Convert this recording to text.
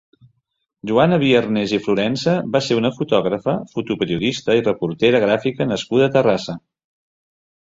Joana Biarnés i Florensa va ser una fotògrafa, fotoperiodista i reportera gràfica nascuda a Terrassa.